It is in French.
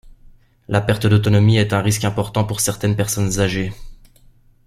La perte d'autonomie est un risque important pour certaines personnes âgées.